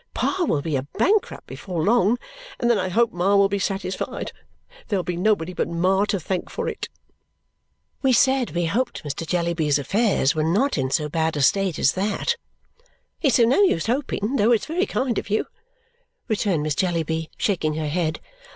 Pa will be a bankrupt before long, and then I hope Ma will be satisfied. There'll he nobody but Ma to thank for it." We said we hoped Mr. Jellyby's affairs were not in so bad a state as that. "It's of no use hoping, though it's very kind of you," returned Miss Jellyby, shaking her head.